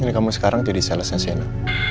ini kamu sekarang jadi salesnya siano